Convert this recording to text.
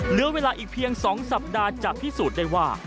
เหลือเวลาอีกเพียง๒สัปดาห์จะพิสูจน์ได้ว่า